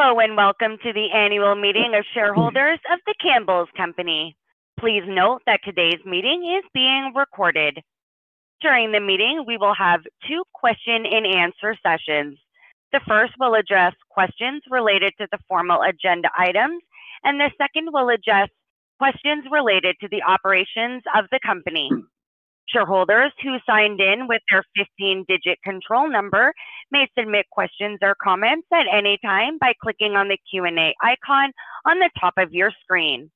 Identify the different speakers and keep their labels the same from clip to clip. Speaker 1: Hello and welcome to the annual meeting of shareholders of The Campbell's Company. Please note that today's meeting is being recorded. During the meeting, we will have two question-and-answer sessions. The first will address questions related to the formal agenda items, and the second will address questions related to the operations of the company. Shareholders who signed in with their 15-digit control number may submit questions or comments at any time by clicking on the Q&A icon on the top of your screen.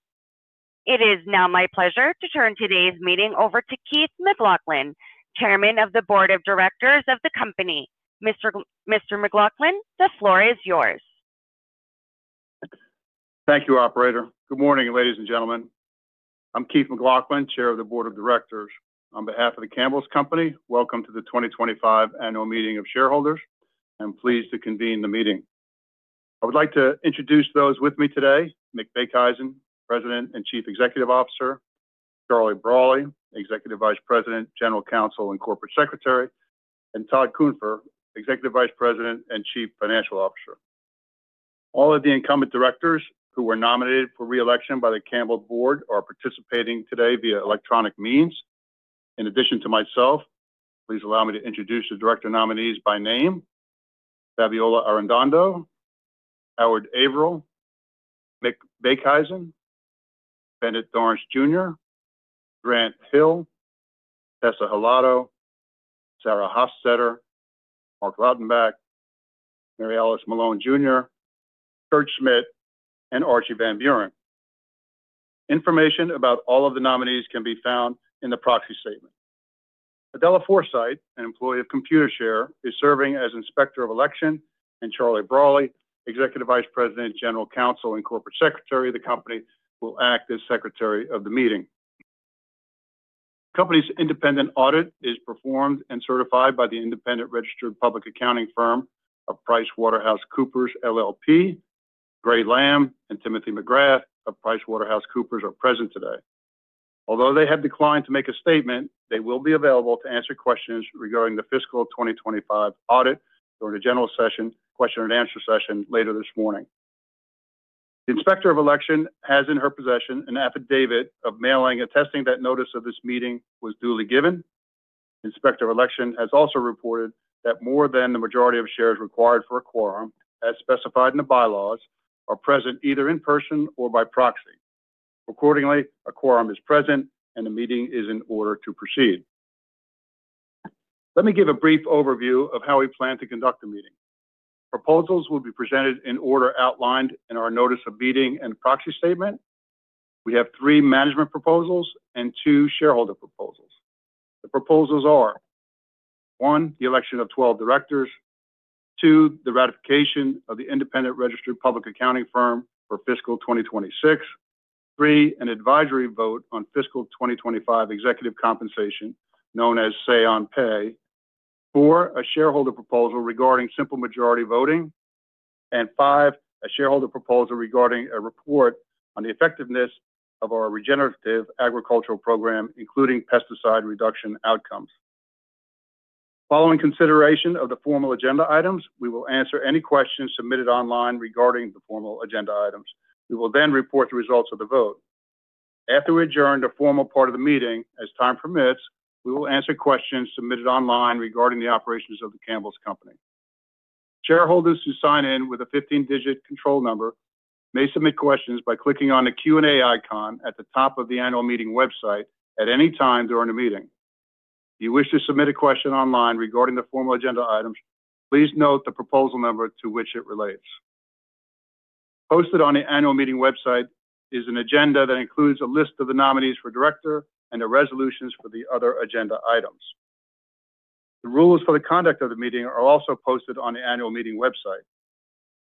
Speaker 1: It is now my pleasure to turn today's meeting over to Keith McLoughlin, Chairman of the Board of Directors of the company. Mr. McLoughlin, the floor is yours.
Speaker 2: Thank you, Operator. Good morning, ladies and gentlemen. I'm Keith McLoughlin, Chair of the Board of Directors. On behalf of The Campbell's Company, welcome to the 2025 Annual Meeting of Shareholders. I'm pleased to convene the meeting. I would like to introduce those with me today: Mick Beekhuizen, President and Chief Executive Officer; Charlie Brawley, Executive Vice President, General Counsel and Corporate Secretary; and Todd Kuhn, Executive Vice President and Chief Financial Officer. All of the incumbent directors who were nominated for re-election by The Campbell's Board are participating today via electronic means. In addition to myself, please allow me to introduce the director nominees by name: Fabiola Arredondo, Howard Averill, Mick Beekhuizen, Bennett Dorrance Jr., Grant Hill, Tessa Hilado, Sarah Hofstetter, Marc Lautenbach, Mary Alice Malone Jr., Kurt Schmidt, and Archie van Beuren. Information about all of the nominees can be found in the proxy statement. Adela Forsythe, an employee of Computershare, is serving as Inspector of Election, and Charlie Brawley, Executive Vice President, General Counsel, and Corporate Secretary of the Company, will act as Secretary of the Meeting. The Company's independent audit is performed and certified by the independent registered public accounting firm of PricewaterhouseCoopers LLP. Gray Lamb and Timothy McGrath of PricewaterhouseCoopers are present today. Although they have declined to make a statement, they will be available to answer questions regarding the fiscal 2025 audit during the general session, question and answer session later this morning. The Inspector of Election has in her possession an affidavit of mailing attesting that notice of this meeting was duly given. The Inspector of Election has also reported that more than the majority of shares required for a quorum, as specified in the bylaws, are present either in person or by proxy. Accordingly, a quorum is present and the meeting is in order to proceed. Let me give a brief overview of how we plan to conduct the meeting. Proposals will be presented in order outlined in our notice of meeting and proxy statement. We have three management proposals and two shareholder proposals. The proposals are: one, the election of 12 directors; two, the ratification of the independent registered public accounting firm for fiscal 2026; three, an advisory vote on fiscal 2025 executive compensation known as Say on Pay; four, a shareholder proposal regarding simple majority voting; and five, a shareholder proposal regarding a report on the effectiveness of our Regenerative Agriculture Program, including pesticide reduction outcomes. Following consideration of the formal agenda items, we will answer any questions submitted online regarding the formal agenda items. We will then report the results of the vote. After we adjourn the formal part of the meeting, as time permits, we will answer questions submitted online regarding the operations of The Campbell's Company. Shareholders who sign in with a 15-digit control number may submit questions by clicking on the Q&A icon at the top of the annual meeting website at any time during the meeting. If you wish to submit a question online regarding the formal agenda items, please note the proposal number to which it relates. Posted on the annual meeting website is an agenda that includes a list of the nominees for director and the resolutions for the other agenda items. The rules for the conduct of the meeting are also posted on the annual meeting website.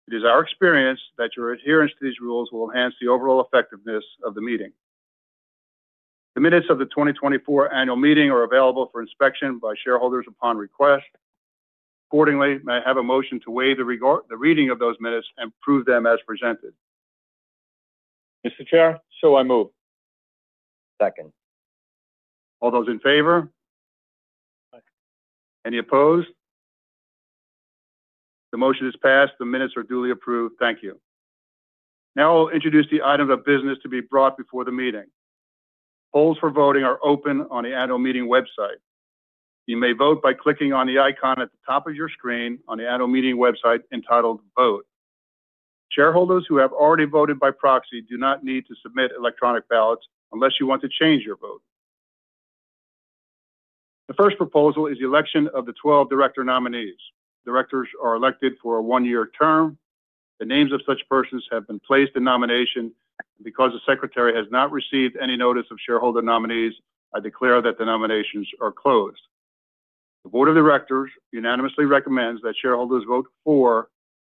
Speaker 2: It is our experience that your adherence to these rules will enhance the overall effectiveness of the meeting. The minutes of the 2024 annual meeting are available for inspection by shareholders upon request. Accordingly, may I have a motion to waive the reading of those minutes and approve them as presented?
Speaker 3: Mr. Chair, shall I move? Second.
Speaker 2: All those in favor? Any opposed? The motion is passed. The minutes are duly approved. Thank you. Now I'll introduce the items of business to be brought before the meeting. Polls for voting are open on the annual meeting website. You may vote by clicking on the icon at the top of your screen on the annual meeting website entitled "Vote." Shareholders who have already voted by proxy do not need to submit electronic ballots unless you want to change your vote. The first proposal is the election of the 12 director nominees. Directors are elected for a one-year term. The names of such persons have been placed in nomination. Because the Secretary has not received any notice of shareholder nominees, I declare that the nominations are closed. The Board of Directors unanimously recommends that shareholders vote for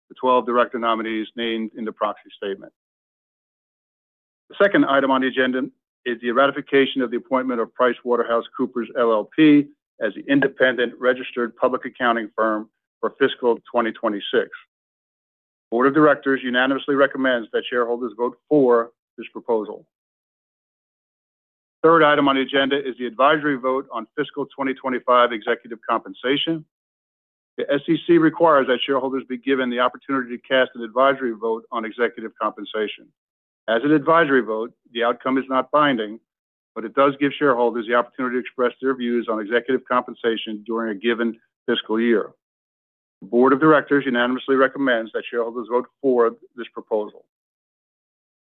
Speaker 2: the 12 director nominees named in the proxy statement. The second item on the agenda is the ratification of the appointment of PricewaterhouseCoopers LLP as the independent registered public accounting firm for fiscal 2026. The Board of Directors unanimously recommends that shareholders vote for this proposal. The third item on the agenda is the advisory vote on fiscal 2025 executive compensation. The SEC requires that shareholders be given the opportunity to cast an advisory vote on executive compensation. As an advisory vote, the outcome is not binding, but it does give shareholders the opportunity to express their views on executive compensation during a given fiscal year. The Board of Directors unanimously recommends that shareholders vote for this proposal.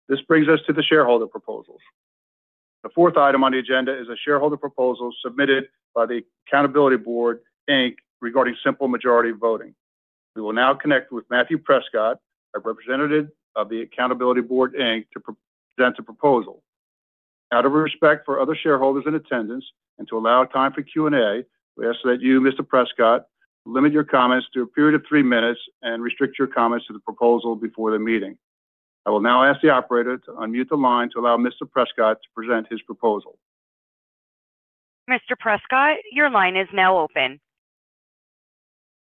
Speaker 2: This brings us to the shareholder proposals. The fourth item on the agenda is a shareholder proposal submitted by Accountability Board, Inc. regarding simple majority voting. We will now connect with Matthew Prescott, a Representative of the Accountability Board, Inc., to present a proposal. Out of respect for other shareholders in attendance and to allow time for Q&A, we ask that you, Mr. Prescott, limit your comments to a period of three minutes and restrict your comments to the proposal before the meeting. I will now ask the Operator to unmute the line to allow Mr. Prescott to present his proposal.
Speaker 1: Mr. Prescott, your line is now open.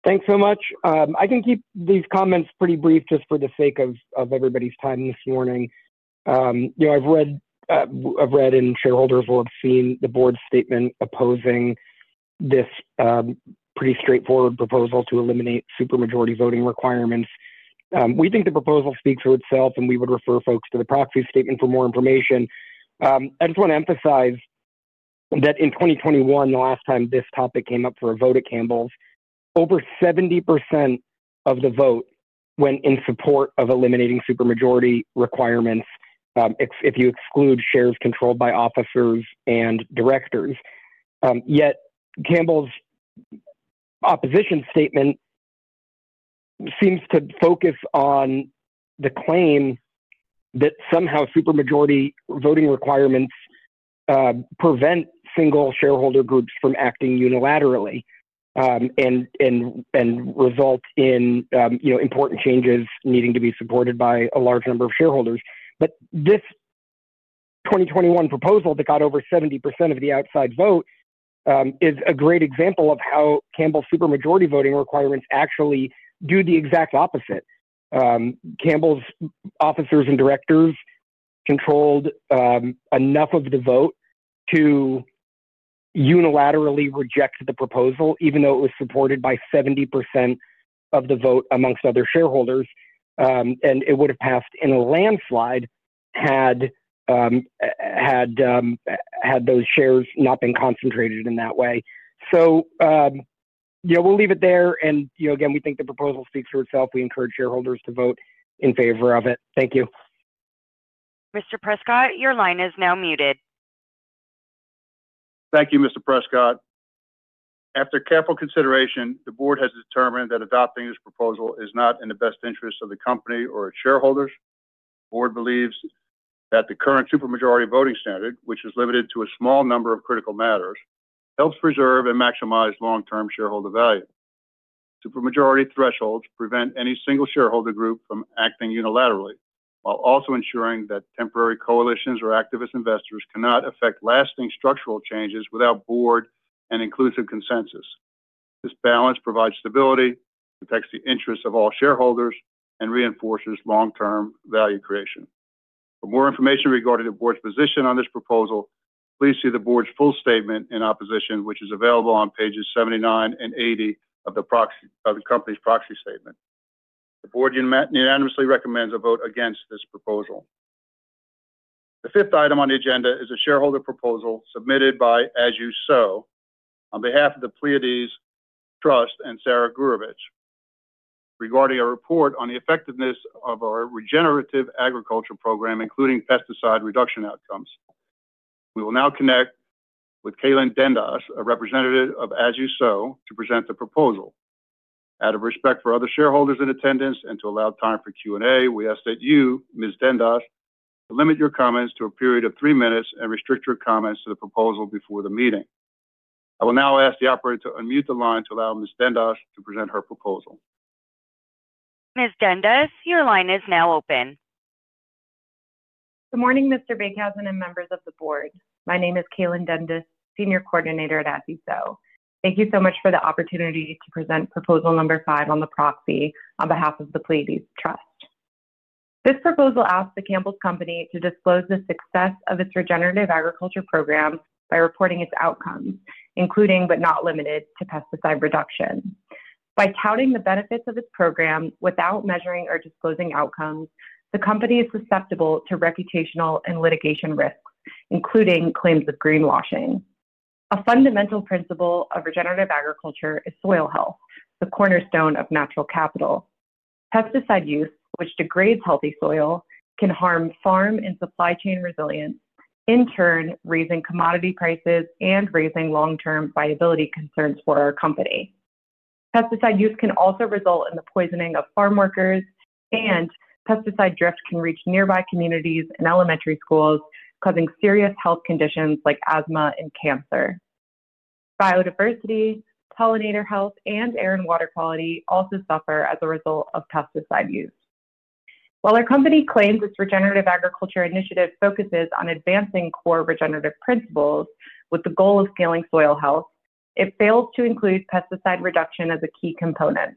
Speaker 4: Thanks so much. I can keep these comments pretty brief just for the sake of everybody's time this morning. I've read and shareholders will have seen the Board's statement opposing this pretty straightforward proposal to eliminate supermajority voting requirements. We think the proposal speaks for itself, and we would refer folks to the proxy statement for more information. I just want to emphasize that in 2021, the last time this topic came up for a vote at Campbell's, over 70% of the vote went in support of eliminating supermajority requirements if you exclude shares controlled by officers and directors. Yet Campbell's opposition statement seems to focus on the claim that somehow supermajority voting requirements prevent single shareholder groups from acting unilaterally and result in important changes needing to be supported by a large number of shareholders. This 2021 proposal that got over 70% of the outside vote is a great example of how Campbell's supermajority voting requirements actually do the exact opposite. Campbell's officers and directors controlled enough of the vote to unilaterally reject the proposal, even though it was supported by 70% of the vote amongst other shareholders. It would have passed in a landslide had those shares not been concentrated in that way. We'll leave it there. Again, we think the proposal speaks for itself. We encourage shareholders to vote in favor of it. Thank you.
Speaker 1: Mr. Prescott, your line is now muted.
Speaker 2: Thank you, Mr. Prescott. After careful consideration, the Board has determined that adopting this proposal is not in the best interest of the Company or its shareholders. The Board believes that the current supermajority voting standard, which is limited to a small number of critical matters, helps preserve and maximize long-term shareholder value. Supermajority thresholds prevent any single shareholder group from acting unilaterally, while also ensuring that temporary coalitions or activist investors cannot affect lasting structural changes without Board and inclusive consensus. This balance provides stability, protects the interests of all shareholders, and reinforces long-term value creation. For more information regarding the Board's position on this proposal, please see the Board's full statement in opposition, which is available on pages 79 and 80 of the Company's proxy statement. The Board unanimously recommends a vote against this proposal. The fifth item on the agenda is a shareholder proposal submitted by As You Sow on behalf of the Pleiades Trust and Sarah Gurovich regarding a report on the effectiveness of our regenerative agriculture program, including pesticide reduction outcomes. We will now connect with Cailin Dendas, a representative of As You Sow, to present the proposal. Out of respect for other shareholders in attendance and to allow time for Q&A, we ask that you, Ms. Dendas, limit your comments to a period of three minutes and restrict your comments to the proposal before the meeting. I will now ask the Operator to unmute the line to allow Ms. Dendas to present her proposal.
Speaker 1: Ms. Dendos, your line is now open.
Speaker 5: Good morning, Mr. Beekhuizen and members of the Board. My name is Cailin Dendas, Senior Coordinator at As You Sow. Thank you so much for the opportunity to present proposal number five on the proxy on behalf of the Pleiades Trust. This proposal asks The Campbell's Company to disclose the success of its regenerative agriculture program by reporting its outcomes, including but not limited to pesticide reduction. By touting the benefits of its program without measuring or disclosing outcomes, the Company is susceptible to reputational and litigation risks, including claims of greenwashing. A fundamental principle of regenerative agriculture is soil health, the cornerstone of natural capital. Pesticide use, which degrades healthy soil, can harm farm and supply chain resilience, in turn raising commodity prices and raising long-term viability concerns for our Company. Pesticide use can also result in the poisoning of farm workers, and pesticide drift can reach nearby communities and elementary schools, causing serious health conditions like asthma and cancer. Biodiversity, pollinator health, and air and water quality also suffer as a result of pesticide use. While our Company claims its regenerative agriculture initiative focuses on advancing core regenerative principles with the goal of scaling soil health, it fails to include pesticide reduction as a key component.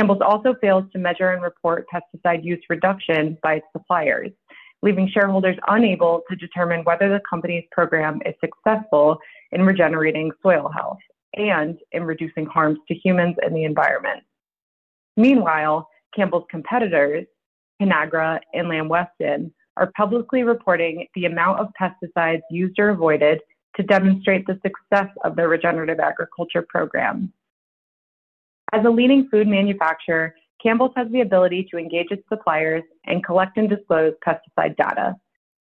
Speaker 5: Campbell's also fails to measure and report pesticide use reduction by its suppliers, leaving shareholders unable to determine whether the Company's program is successful in regenerating soil health and in reducing harms to humans and the environment. Meanwhile, Campbell's competitors, Conagra and Lamb Weston, are publicly reporting the amount of pesticides used or avoided to demonstrate the success of their regenerative agriculture program. As a leading food manufacturer, Campbell's has the ability to engage its suppliers and collect and disclose pesticide data.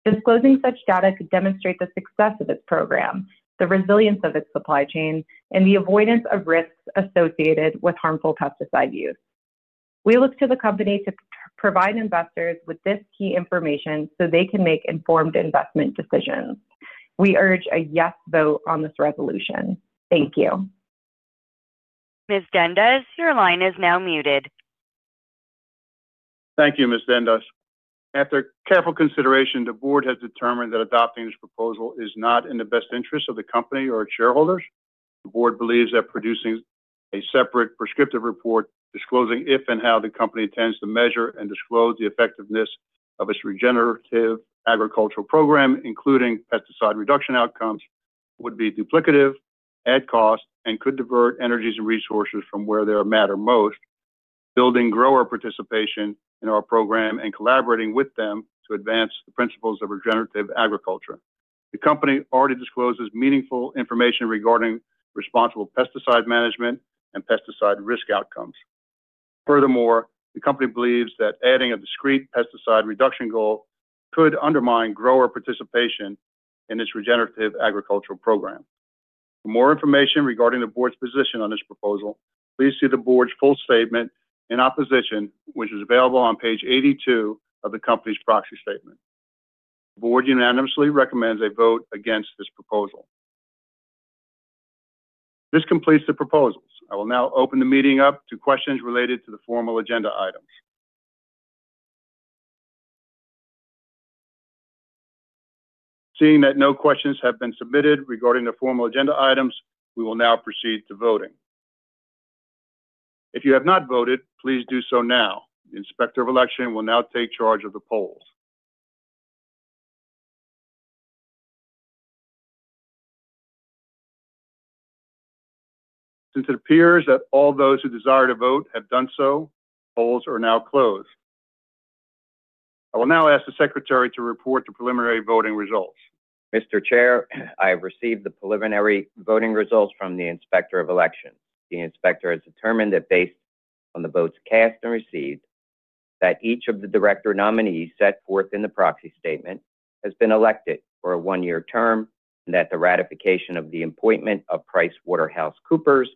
Speaker 5: Disclosing such data could demonstrate the success of its program, the resilience of its supply chain, and the avoidance of risks associated with harmful pesticide use. We look to the Company to provide investors with this key information so they can make informed investment decisions. We urge a yes vote on this resolution. Thank you.
Speaker 1: Ms. Dendas, your line is now muted.
Speaker 2: Thank you, Ms. Dendas. After careful consideration, the Board has determined that adopting this proposal is not in the best interest of the Company or its shareholders. The Board believes that producing a separate prescriptive report disclosing if and how the Company intends to measure and disclose the effectiveness of its regenerative agriculture program, including pesticide reduction outcomes, would be duplicative, add cost, and could divert energies and resources from where they matter most, building grower participation in our program and collaborating with them to advance the principles of regenerative agriculture. The Company already discloses meaningful information regarding responsible pesticide management and pesticide risk outcomes. Furthermore, the Company believes that adding a discrete pesticide reduction goal could undermine grower participation in its regenerative agriculture program. For more information regarding the Board's position on this proposal, please see the Board's full statement in opposition, which is available on page 82 of the Company's proxy statement. The Board unanimously recommends a vote against this proposal. This completes the proposals. I will now open the meeting up to questions related to the formal agenda items. Seeing that no questions have been submitted regarding the formal agenda items, we will now proceed to voting. If you have not voted, please do so now. The Inspector of Election will now take charge of the polls. Since it appears that all those who desire to vote have done so, polls are now closed. I will now ask the Secretary to report the preliminary voting results.
Speaker 3: Mr. Chair, I have received the preliminary voting results from the Inspector of Election. The Inspector has determined that based on the votes cast and received, each of the director nominees set forth in the proxy statement has been elected for a one-year term, and that the ratification of the appointment of PricewaterhouseCoopers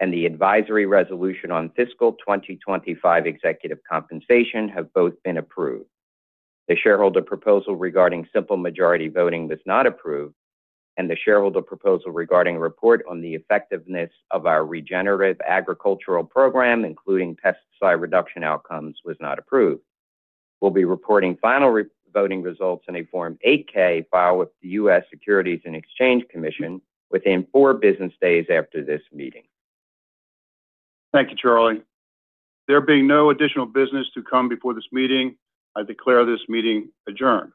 Speaker 3: and the advisory resolution on fiscal 2025 executive compensation have both been approved. The shareholder proposal regarding simple majority voting was not approved, and the shareholder proposal regarding a report on the effectiveness of our regenerative agriculture program, including pesticide reduction outcomes, was not approved. We'll be reporting final voting results in a Form 8-K file with the U.S. Securities and Exchange Commission within four business days after this meeting.
Speaker 2: Thank you, Charlie. There being no additional business to come before this meeting, I declare this meeting adjourned.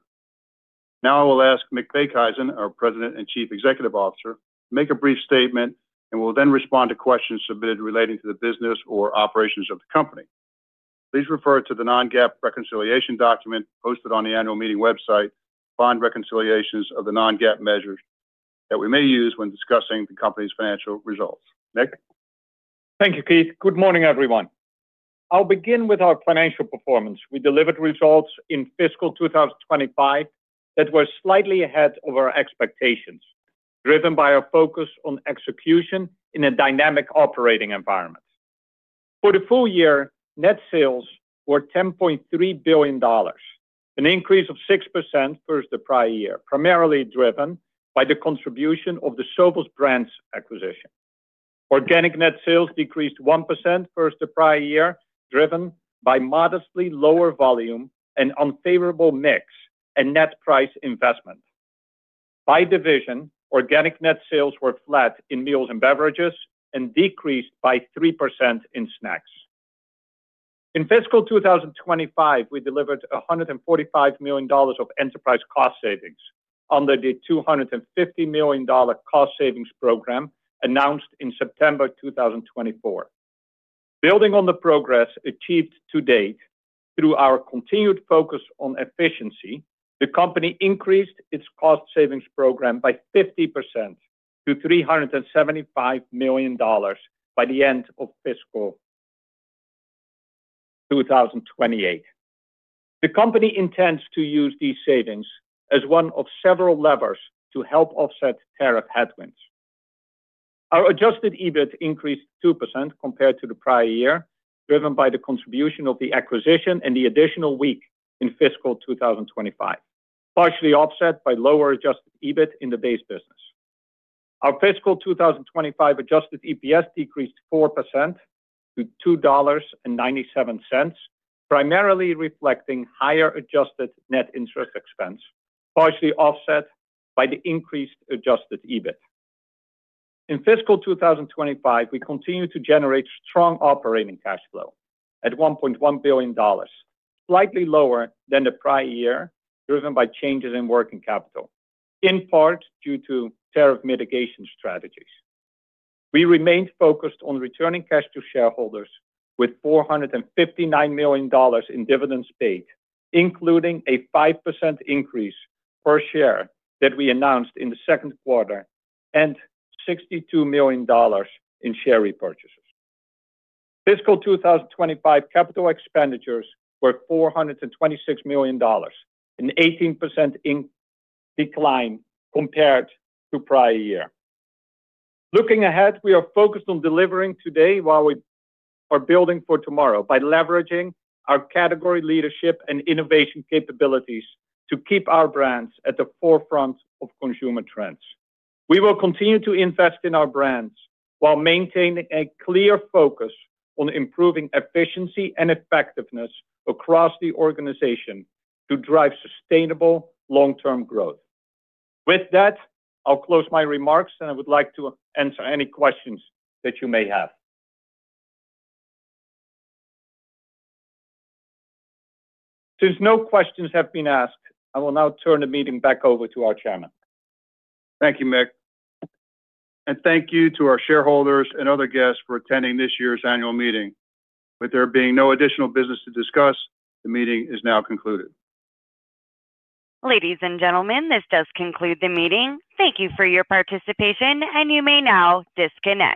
Speaker 2: Now I will ask Mick Beekhuizen, our President and Chief Executive Officer, to make a brief statement and will then respond to questions submitted relating to the business or operations of the Company. Please refer to the non-GAAP reconciliation document posted on the annual meeting website, Bond Reconciliations of the Non-GAAP Measures, that we may use when discussing the Company's financial results. Mick?
Speaker 6: Thank you, Keith. Good morning, everyone. I'll begin with our financial performance. We delivered results in fiscal 2025 that were slightly ahead of our expectations, driven by our focus on execution in a dynamic operating environment. For the full year, net sales were $10.3 billion, an increase of 6% versus the prior year, primarily driven by the contribution of the Sovos Brands acquisition. Organic net sales decreased 1% versus the prior year, driven by modestly lower volume and unfavorable mix and net price investment. By division, organic net sales were flat in meals and beverages and decreased by 3% in snacks. In fiscal 2025, we delivered $145 million of enterprise cost savings under the $250 million cost savings program announced in September 2024. Building on the progress achieved to date through our continued focus on efficiency, the Company increased its cost savings program by 50% to $375 million by the end of fiscal 2028. The Company intends to use these savings as one of several levers to help offset tariff headwinds. Our adjusted EBIT increased 2% compared to the prior year, driven by the contribution of the acquisition and the additional week in fiscal 2025, partially offset by lower adjusted EBIT in the base business. Our fiscal 2025 adjusted EPS decreased 4% to $2.97, primarily reflecting higher adjusted net interest expense, partially offset by the increased adjusted EBIT. In fiscal 2025, we continue to generate strong operating cash flow at $1.1 billion, slightly lower than the prior year, driven by changes in working capital, in part due to tariff mitigation strategies. We remained focused on returning cash to shareholders with $459 million in dividends paid, including a 5% increase per share that we announced in the second quarter and $62 million in share repurchases. Fiscal 2025 capital expenditures were $426 million, an 18% decline compared to prior year. Looking ahead, we are focused on delivering today while we are building for tomorrow by leveraging our category leadership and innovation capabilities to keep our brands at the forefront of consumer trends. We will continue to invest in our brands while maintaining a clear focus on improving efficiency and effectiveness across the organization to drive sustainable long-term growth. With that, I'll close my remarks, and I would like to answer any questions that you may have. Since no questions have been asked, I will now turn the meeting back over to our Chairman.
Speaker 2: Thank you, Mick. Thank you to our shareholders and other guests for attending this year's annual meeting. With there being no additional business to discuss, the meeting is now concluded.
Speaker 1: Ladies and gentlemen, this does conclude the meeting. Thank you for your participation, and you may now disconnect.